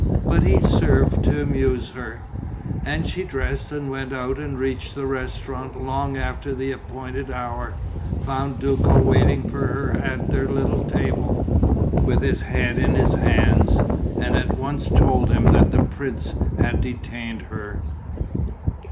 But he served to amuse her.... And she dressed and went out and reached the restaurant long after the appointed hour, found Duco waiting for her at their little table, with his head in his hands, and at once told him that the prince had detained her.